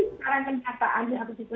sekarang kenyataannya begitu